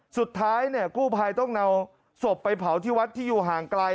สุดท้ายเนี่ยกู้ภัยต้องนำศพไปเผาที่วัดที่อยู่ห่างไกล